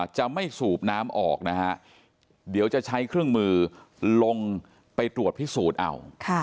จะไม่สูบน้ำออกนะฮะเดี๋ยวจะใช้เครื่องมือลงไปตรวจพิสูจน์เอา